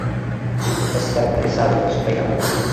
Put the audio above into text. Es caracterizado por su peinado.